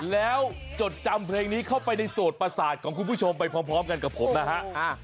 แล้วจดจำเพลงนี้เข้าไปในโสดประสาทของคุณผู้ชมไปพร้อมกันกับผมนะฮะ